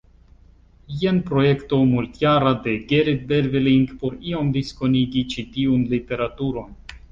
Jen projekto multjara de Gerrit Berveling por iom diskonigi ĉi tiun literaturon.